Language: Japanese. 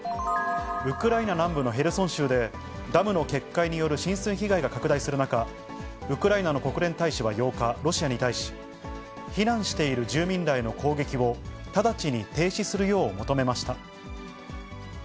ウクライナ南部のヘルソン州で、ダムの決壊による浸水被害が拡大する中、ウクライナの国連大使は８日、ロシアに対し、避難している住民らへの攻撃を直ちに停止するよう求めました。